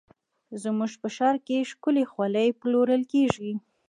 زموږ په ښار کې ښکلې خولۍ پلورل کېږي.